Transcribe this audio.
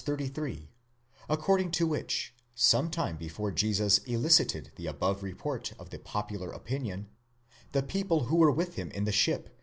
33, according to which, some time before Jesus elicited the above report of the popular opinion, the people who were with him in the ship!